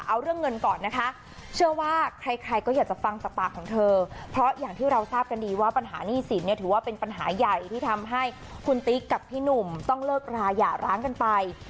เอาเรื่องเงินก่อนนะคะเชื่อว่าใครใครก็อยากจะฟังจากปากของเธอเพราะอย่างที่เราทราบกันดีว่าปัญหาหนี้สินเนี่ยถือว่าเป็นปัญหาใหญ่ที่ทำให้คุณติ๊กกับพี่หนุ่มต้องเลิกราหย่าร้างกันไป